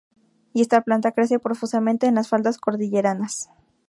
Y esta planta crece profusamente en las faldas cordilleranas.